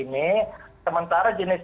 sementara jenis komoditasnya itu juga sedikit